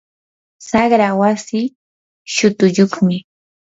saqra wasii shutuyyuqmi.